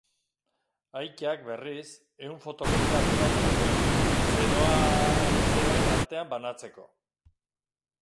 Aitak, berriz, ehun fotokopia atera zituen, bezeroen artean banatzeko.